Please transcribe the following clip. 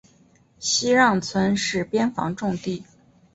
西让村是边防重地。